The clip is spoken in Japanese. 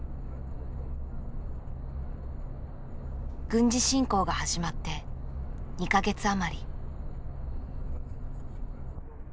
軍事侵攻が始まって２か月余り。